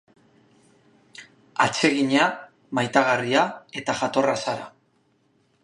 Atsegina, maitagarria eta jatorra zara.